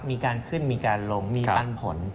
มีการขึ้นมีการลงมีปันผล